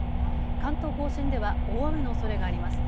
関東甲信では大雨のおそれがあります。